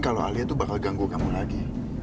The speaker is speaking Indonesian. kalo alia tuh bakal ganggu kamu lagi